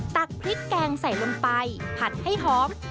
ตักพริกแกงใส่ลงไปผัดให้หอม